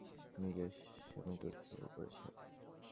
সে শয়তানকে বিয়ে করার জন্য নিজের স্বামীকে উৎসর্গ করেছে।